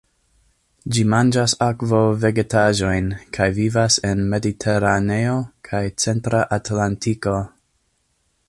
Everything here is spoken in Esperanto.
Ĝi manĝas akvo-vegetaĵojn kaj vivas en Mediteraneo kaj Centra Atlantiko.